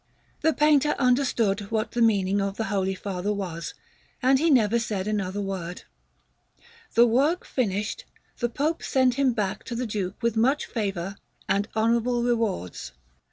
The painter understood what the meaning of the Holy Father was, and he never said another word. The work finished, the Pope sent him back to the Duke with much favour and honourable rewards.